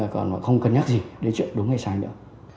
còn họ không cân nhắc gì đến chuyện đúng hay sai nữa